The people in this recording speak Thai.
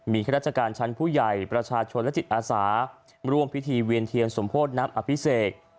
มีข้าราชการชั้นผู้ใหญ่ประชาชนและจิตอาสาร่วมพิธีเวียนเทียนสมโพธิน้ำอภิเษก